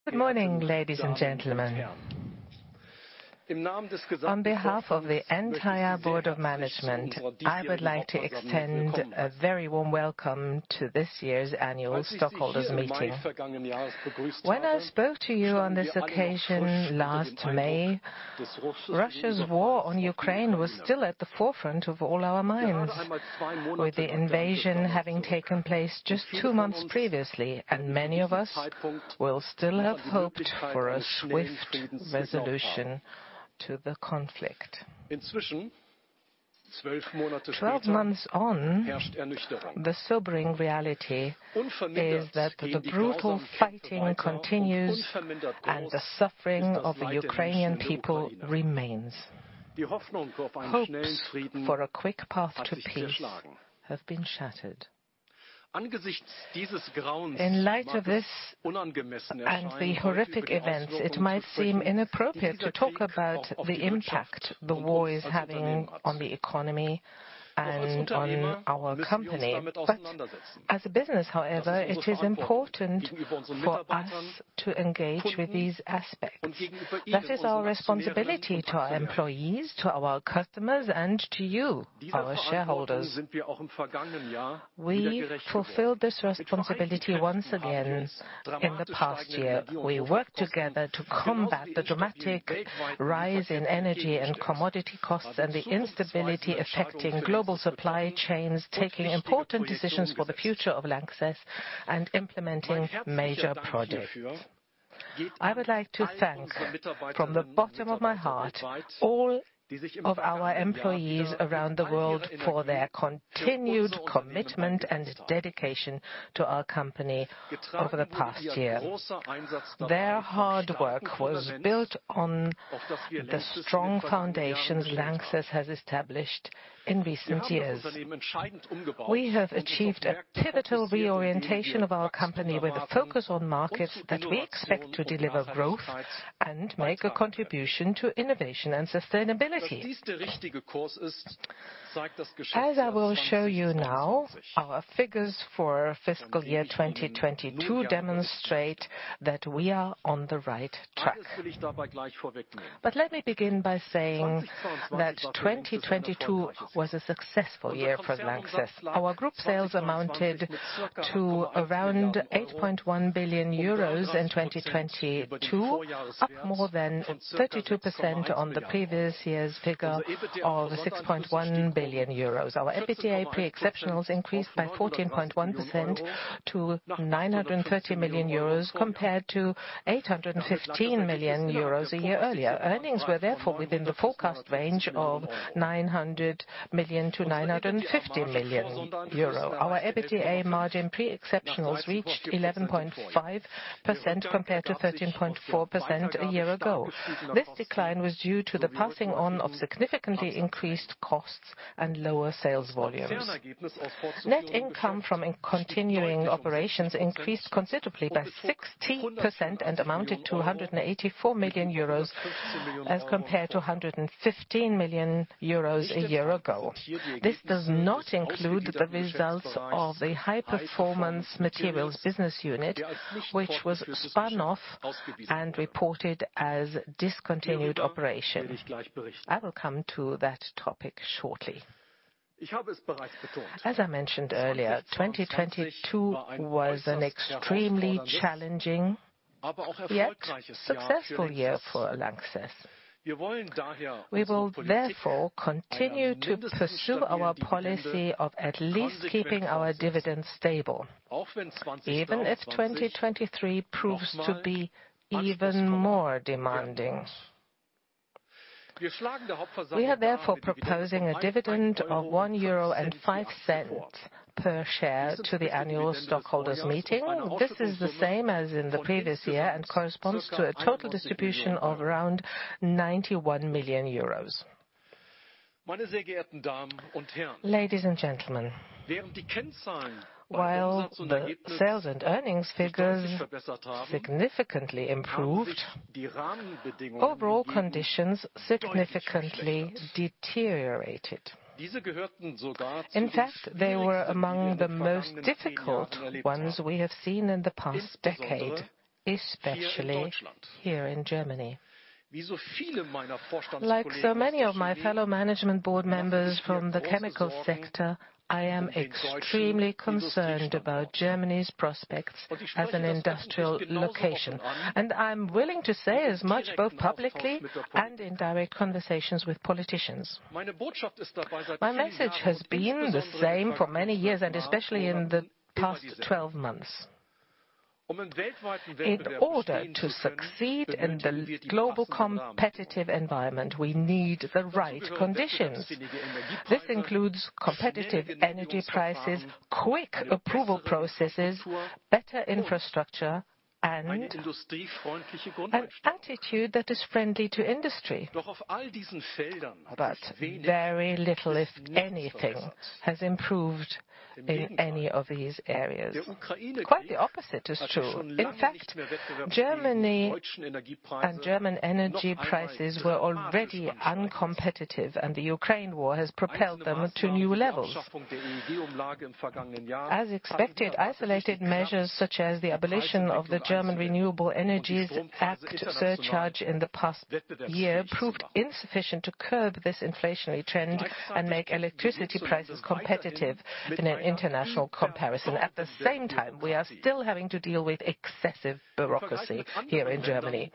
Good morning, ladies and gentlemen. On behalf of the entire board of management, I would like to extend a very warm welcome to this year's annual stockholders meeting. When I spoke to you on this occasion last May, Russia's war on Ukraine was still at the forefront of all our minds, with the invasion having taken place just two months previously, and many of us will still have hoped for a swift resolution to the conflict. 12 months on, the sobering reality is that the brutal fighting continues and the suffering of the Ukrainian people remains. Hopes for a quick path to peace have been shattered. In light of this and the horrific events, it might seem inappropriate to talk about the impact the war is having on the economy and on our company. As a business, however, it is important for us to engage with these aspects. That is our responsibility to our employees, to our customers, and to you, our shareholders. We fulfilled this responsibility once again in the past year. We worked together to combat the dramatic rise in energy and commodity costs and the instability affecting global supply chains, taking important decisions for the future of LANXESS, and implementing major projects. I would like to thank from the bottom of my heart all of our employees around the world for their continued commitment and dedication to our company over the past year. Their hard work was built on the strong foundations LANXESS has established was a successful year for LANXESS. Our group sales amounted to around 8.1 billion euros in 2022, up more than 32% on the previous year's figure of 6.1 billion euros. Our EBITDA pre exceptionals increased by 14.1% to 930 million euros compared to 815 million euros a year earlier. Earnings were therefore within the forecast range of 900 million-950 million euro. Our EBITDA margin pre exceptionals reached 11.5% compared to 13.4% a year ago. This decline was due to the passing on of significantly increased costs and lower sales volumes. Net income from continuing operations increased considerably by 60% and amounted to 184 million euros as compared to 115 million euros a year ago. This does not include the results of the High Performance Materials business unit, which was spun off and reported as discontinued operations. I will come to that topic shortly. As I mentioned earlier, 2022 was an extremely challenging yet successful year for LANXESS. We will therefore continue to pursue our policy of at least keeping our dividends stable, even if 2023 proves to be even more demanding. We are therefore proposing a dividend of 1.05 euro per share to the annual stockholders meeting. This is the same as in the previous year and corresponds to a total distribution of around 91 million euros. Ladies and gentlemen, while the sales and earnings figures significantly improved, overall conditions significantly deteriorated. In fact, they were among the most difficult ones we have seen in the past decade, especially here in Germany. Like so many of my fellow management board members from the chemical sector, I am extremely concerned about Germany's prospects as an industrial location, and I'm willing to say as much both publicly and in direct conversations with politicians. My message has been the same for many years, and especially in the past 12 months. In order to succeed in the global competitive environment, we need the right conditions. This includes competitive energy prices, quick approval processes, better infrastructure, and an attitude that is friendly to industry. Very little, if anything, has improved in any of these areas. Quite the opposite is true. In fact, Germany and German energy prices were already uncompetitive, and the Ukraine War has propelled them to new levels. As expected, isolated measures such as the abolition of the German Renewable Energies Act surcharge in the past year proved insufficient to curb this inflationary trend and make electricity prices competitive in an international comparison. At the same time, we are still having to deal with excessive bureaucracy here in Germany.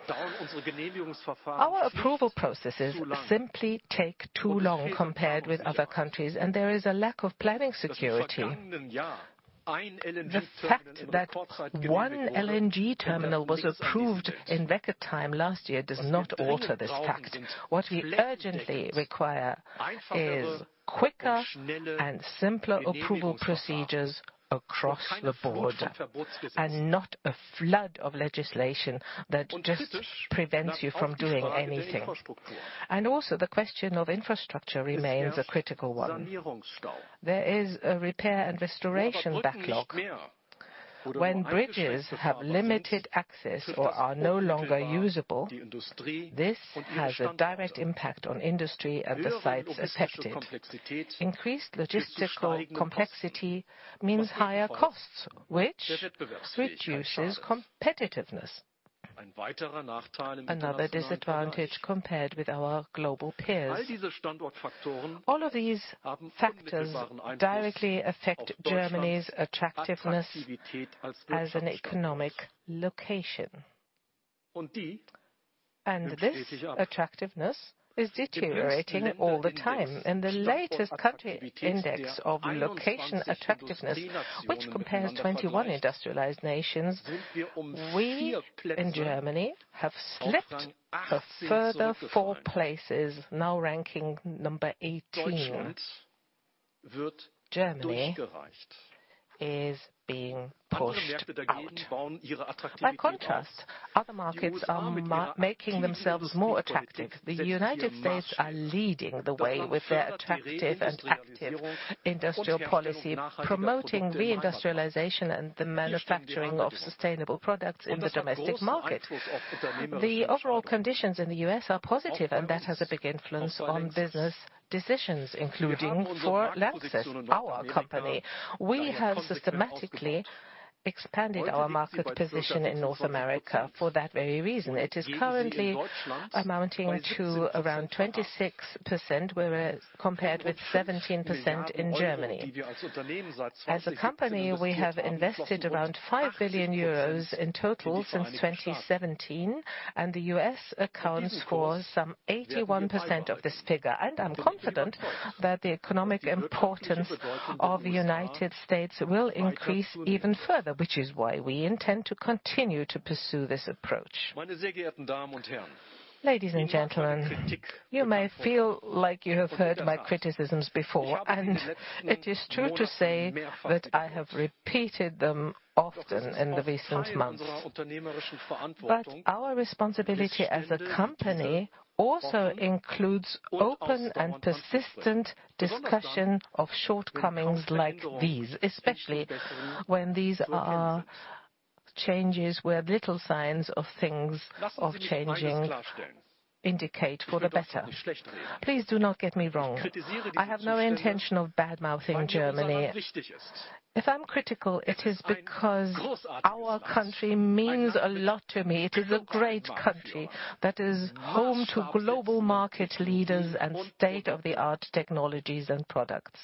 Our approval processes simply take too long compared with other countries, and there is a lack of planning security. The fact that one LNG terminal was approved in record time last year does not alter this fact. What we urgently require is quicker and simpler approval procedures across the board, and not a flood of legislation that just prevents you from doing anything. Also the question of infrastructure remains a critical one. There is a repair and restoration backlog. When bridges have limited access or are no longer usable, this has a direct impact on industry and the sites affected. Increased logistical complexity means higher costs, which reduces competitiveness. Another disadvantage compared with our global peers. All of these factors directly affect Germany's attractiveness as an economic location. This attractiveness is deteriorating all the time. In the latest Country Index of Location Attractiveness, which compares 21 industrialized nations, we in Germany have slipped a further four places, now ranking number 18. Germany is being pushed out. By contrast, other markets are making themselves more attractive. The United States are leading the way with their attractive and active industrial policy, promoting reindustrialization and the manufacturing of sustainable products in the domestic market. The overall conditions in the U.S. are positive. That has a big influence on business decisions, including for LANXESS, our company. We have systematically expanded our market position in North America for that very reason. It is currently amounting to around 26%. Compared with 17% in Germany. As a company, we have invested around 5 billion euros in total since 2017. The U.S. accounts for some 81% of this figure. I'm confident that the economic importance of the United States will increase even further, which is why we intend to continue to pursue this approach. Ladies and gentlemen, you may feel like you have heard my criticisms before. It is true to say that I have repeated them often in the recent months. Our responsibility as a company also includes open and persistent discussion of shortcomings like these, especially when these are changes where little signs of things, of changing indicate for the better. Please do not get me wrong. I have no intention of bad-mouthing Germany. If I'm critical, it is because our country means a lot to me. It is a great country that is home to global market leaders and state-of-the-art technologies and products.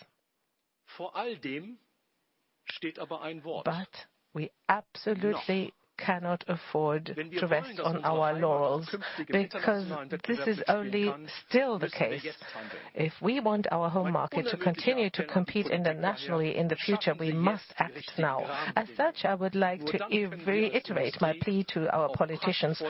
We absolutely cannot afford to rest on our laurels, because this is only still the case. If we want our home market to continue to compete internationally in the future, we must act now. I would like to reiterate my plea to our politicians.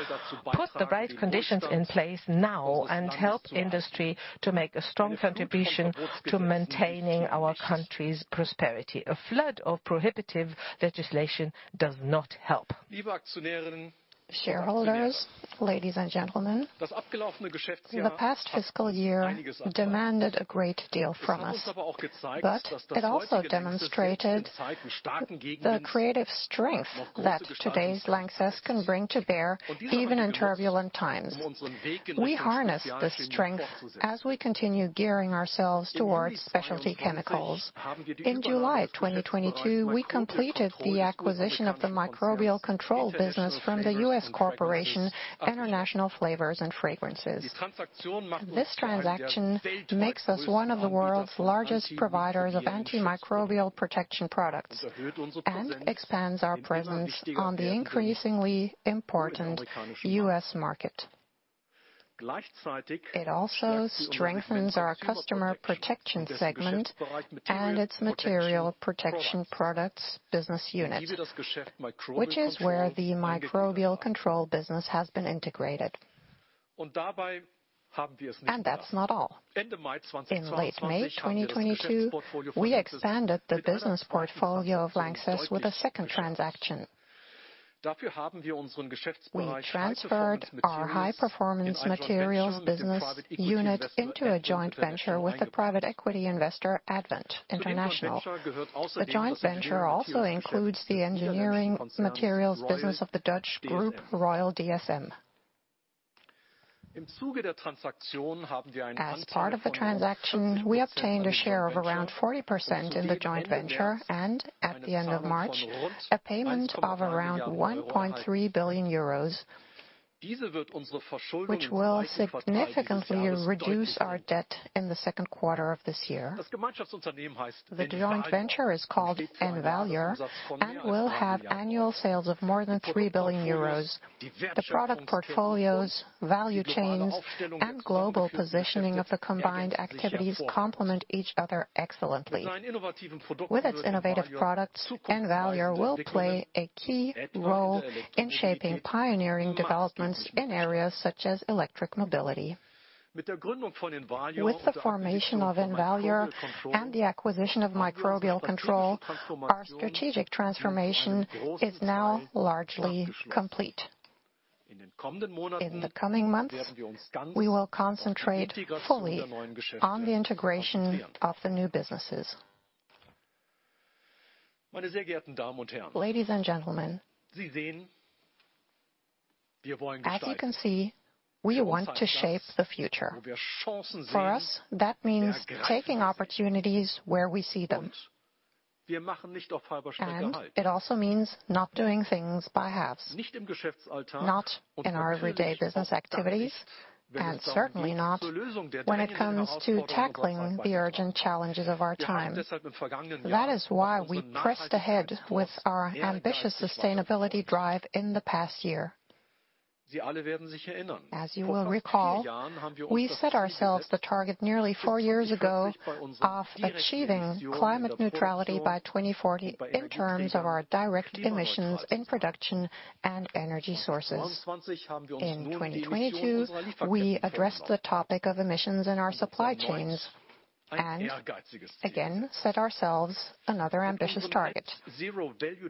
Put the right conditions in place now and help industry to make a strong contribution to maintaining our country's prosperity. A flood of prohibitive legislation does not help. Shareholders, ladies and gentlemen, the past fiscal year demanded a great deal from us, but it also demonstrated the creative strength that today's LANXESS can bring to bear even in turbulent times. We harness this strength as we continue gearing ourselves towards specialty chemicals. In July 2022, we completed the acquisition of the Microbial Control business from the U.S. corporation, International Flavors & Fragrances. This transaction makes us one of the world's largest providers of antimicrobial protection products and expands our presence on the increasingly important U.S. market. It also strengthens our Consumer Protection segment and its Material Protection Products business units, which is where the Microbial Control business has been integrated. That's not all. In late May 2022, we expanded the business portfolio of LANXESS with a second transaction. We transferred our High Performance Materials business unit into a joint venture with the private equity investor, Advent International. The joint venture also includes the engineering materials business of the Dutch group, Royal DSM. As part of the transaction, we obtained a share of around 40% in the joint venture, and at the end of March, a payment of around 1.3 billion euros, which will significantly reduce our debt in the second quarter of this year. The joint venture is called Envalior, and will have annual sales of more than 3 billion euros. The product portfolios, value chains, and global positioning of the combined activities complement each other excellently. With its innovative products, Envalior will play a key role in shaping pioneering developments in areas such as electric mobility. With the formation of Envalior and the acquisition of Microbial Control, our strategic transformation is now largely complete. In the coming months, we will concentrate fully on the integration of the new businesses. Ladies and gentlemen, as you can see, we want to shape the future. For us, that means taking opportunities where we see them. It also means not doing things by halves, not in our everyday business activities, and certainly not when it comes to tackling the urgent challenges of our time. That is why we pressed ahead with our ambitious sustainability drive in the past year. As you will recall, we set ourselves the target nearly four years ago of achieving climate neutrality by 2040 in terms of our direct emissions in production and energy sources. In 2022, we addressed the topic of emissions in our supply chains, and again, set ourselves another ambitious target.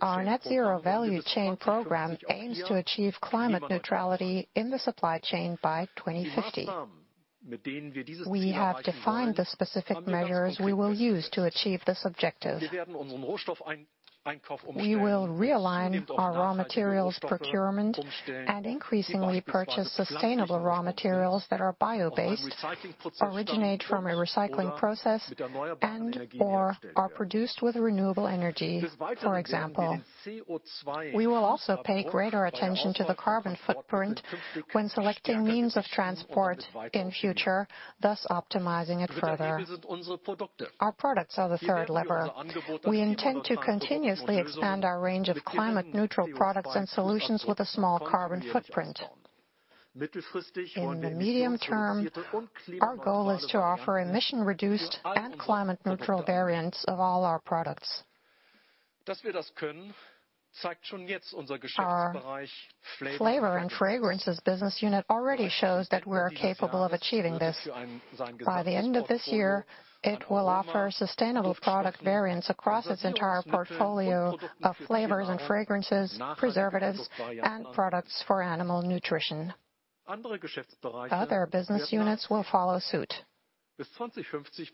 Our Net Zero Value Chain Program aims to achieve climate neutrality in the supply chain by 2050. We have defined the specific measures we will use to achieve this objective. We will realign our raw materials procurement and increasingly purchase sustainable raw materials that are bio-based, originate from a recycling process, and/or are produced with renewable energy, for example. We will also pay greater attention to the carbon footprint when selecting means of transport in future, thus optimizing it further. Our products are the third lever. We intend to continuously expand our range of climate neutral products and solutions with a small carbon footprint. In the medium term, our goal is to offer emission reduced and climate neutral variants of all our products. Our Flavors & Fragrances business unit already shows that we're capable of achieving this. By the end of this year, it will offer sustainable product variants across its entire portfolio of flavors and fragrances, preservatives, and products for animal nutrition. Other business units will follow suit.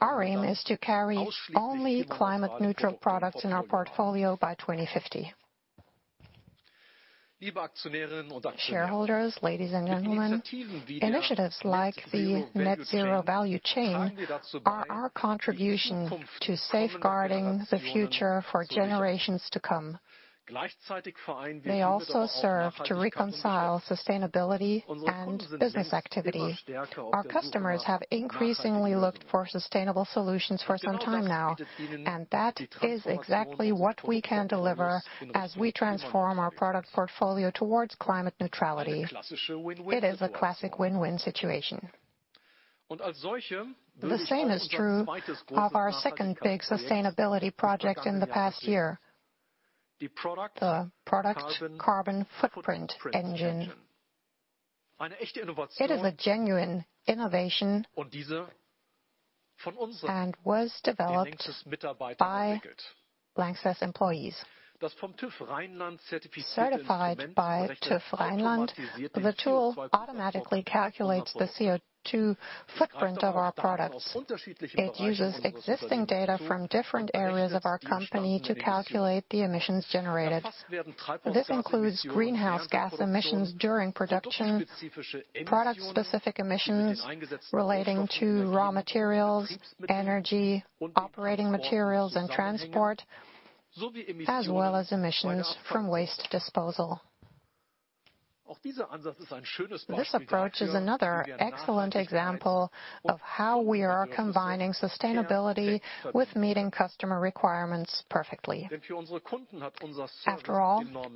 Our aim is to carry only climate neutral products in our portfolio by 2050. Shareholders, ladies and gentlemen, initiatives like the Net Zero Value Chain are our contribution to safeguarding the future for generations to come. They also serve to reconcile sustainability and business activity. Our customers have increasingly looked for sustainable solutions for some time now. That is exactly what we can deliver as we transform our product portfolio towards climate neutrality. It is a classic win-win situation. The same is true of our second big sustainability project in the past year, the Product Carbon Footprint Engine. It is a genuine innovation and was developed by LANXESS employees. Certified by TÜV Rheinland, the tool automatically calculates the CO2 footprint of our products. It uses existing data from different areas of our company to calculate the emissions generated. This includes greenhouse gas emissions during production, product-specific emissions relating to raw materials, energy, operating materials, and transport, as well as emissions from waste disposal. This approach is another excellent example of how we are combining sustainability with meeting customer requirements perfectly.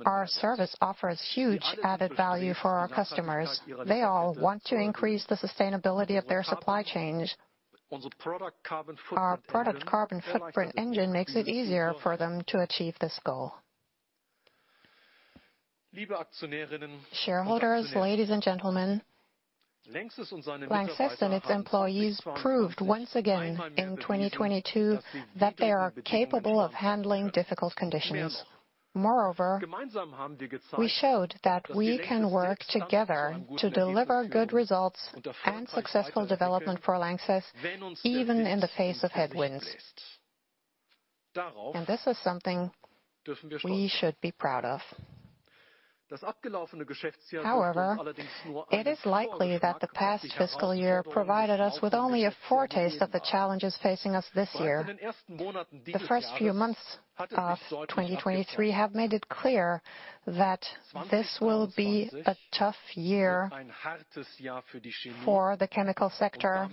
Our service offers huge added value for our customers. They all want to increase the sustainability of their supply chains. Our Product Carbon Footprint Engine makes it easier for them to achieve this goal. Shareholders, ladies and gentlemen, LANXESS and its employees proved once again in 2022 that they are capable of handling difficult conditions. Moreover, we showed that we can work together to deliver good results and successful development for LANXESS, even in the face of headwinds. This is something we should be proud of. However, it is likely that the past fiscal year provided us with only a foretaste of the challenges facing us this year. The first few months of 2023 have made it clear that this will be a tough year for the chemical sector,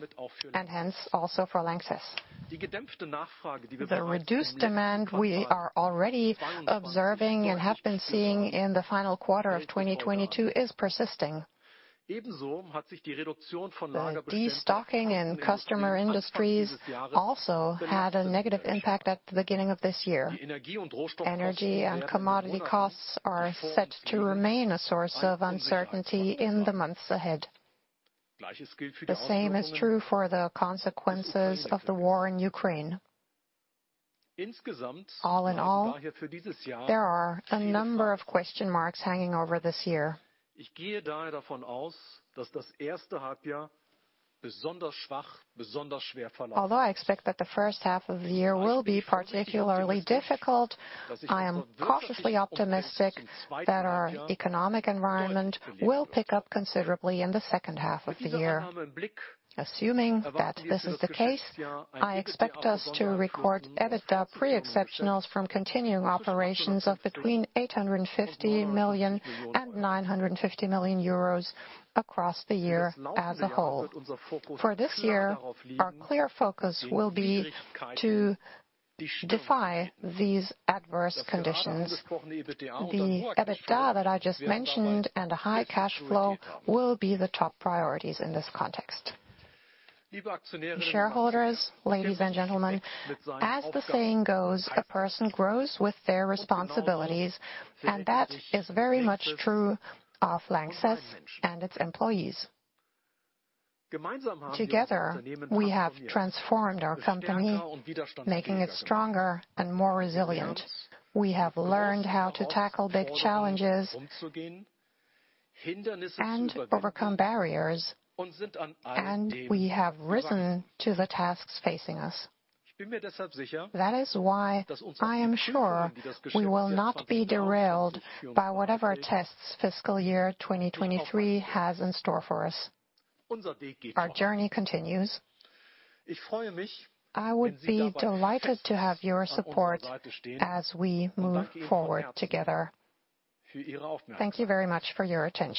and hence, also for LANXESS. The reduced demand we are already observing and have been seeing in the final quarter of 2022 is persisting. The destocking in customer industries also had a negative impact at the beginning of this year. Energy and commodity costs are set to remain a source of uncertainty in the months ahead. The same is true for the consequences of the war in Ukraine. All in all, there are a number of question marks hanging over this year. Although I expect that the first half of the year will be particularly difficult, I am cautiously optimistic that our economic environment will pick up considerably in the second half of the year. Assuming that this is the case, I expect us to record EBITDA pre-exceptionals from continuing operations of between 850 million EUR and 950 million euros across the year as a whole. For this year, our clear focus will be to defy these adverse conditions. The EBITDA that I just mentioned and a high cash flow will be the top priorities in this context. Shareholders, ladies and gentlemen, as the saying goes, a person grows with their responsibilities, that is very much true of LANXESS and its employees. Together, we have transformed our company, making it stronger and more resilient. We have learned how to tackle big challenges and overcome barriers, and we have risen to the tasks facing us. That is why I am sure we will not be derailed by whatever tests fiscal year 2023 has in store for us. Our journey continues. I would be delighted to have your support as we move forward together. Thank you very much for your attention.